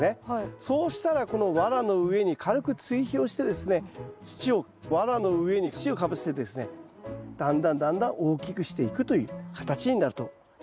そうしたらこのワラの上に軽く追肥をしてですね土をワラの上に土をかぶせてですねだんだんだんだん大きくしていくという形になるという育ち方をします。